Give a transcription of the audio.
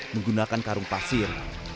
menggunakan karung pasir